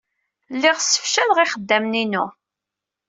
Lliɣ ssefcaleɣ ixeddamen-inu.